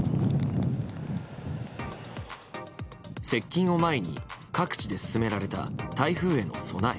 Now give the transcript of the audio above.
接近を前に各地で進められた台風への備え。